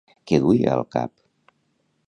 Què duia al cap?